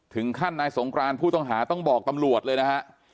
ถึงขั้นนายสงกรานผู้ต้องหาต้องบอกตำรวจเลยนะฮะ